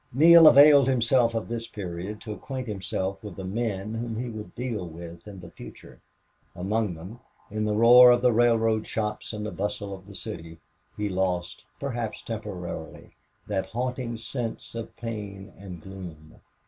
Neale availed himself of this period to acquaint himself with the men whom he would deal with in the future. Among them, and in the roar of the railroad shops and the bustle of the city, he lost, perhaps temporarily, that haunting sense of pain and gloom.